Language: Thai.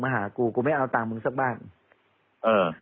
เพราะว่าตอนแรกมีการพูดถึงนิติกรคือฝ่ายกฎหมาย